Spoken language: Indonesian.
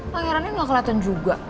pangerannya gak keliatan juga